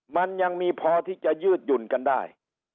มันยังมีพอที่จะยืดหยุ่นกันได้